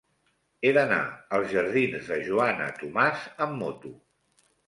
He d'anar als jardins de Joana Tomàs amb moto.